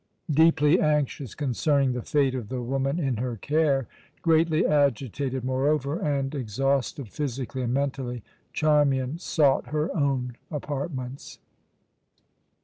Deeply anxious concerning the fate of the woman in her care greatly agitated, moreover, and exhausted physically and mentally Charmian sought her own apartments.